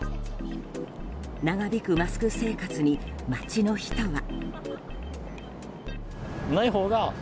長引くマスク生活に街の人は。